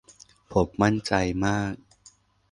ผมมั่นใจมาก